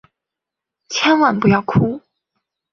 千万不要哭！